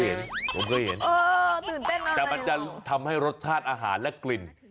เออตื่นเต้นนอนเลยหรือเปล่าแต่มันจะทำให้รสชาติอาหารและกลิ่น